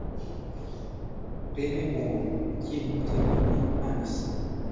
Rememoru, kiel multe vi min amis?